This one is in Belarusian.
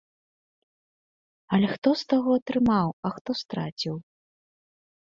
Але хто з таго атрымаў, а хто страціў?